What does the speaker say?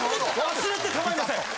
忘れて構いません。